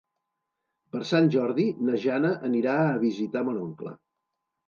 Per Sant Jordi na Jana anirà a visitar mon oncle.